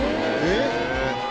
えっ！